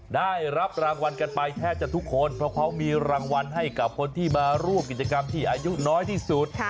ได้รับรางวัลกันไปแทบจะทุกคนเพราะเขามีรางวัลให้กับคนที่มาร่วมกิจกรรมที่อายุน้อยที่สุด